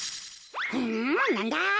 んなんだ？